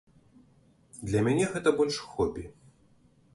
Для мяне гэта больш хобі.